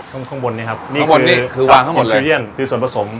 ข้างข้างบนนี่ครับข้างบนนี่คือวางข้างหมดเลยคือส่วนผสม